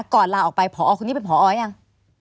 ลาออกไปพอคนนี้เป็นพอยัง